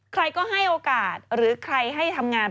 ใครก็ให้โอกาสหรือใครให้ทำงาน